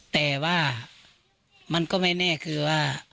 แต่ว่ามันก็ไม่แน่คือว่า